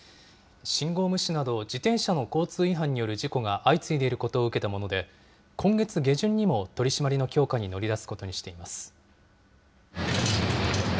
信号無視など、自転車の交通違反による事故が相次いでいることを受けたもので、今月下旬にも取締りの強化に乗り出すことにしています。